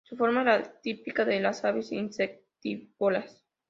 Su forma es la típica de las aves insectívoras.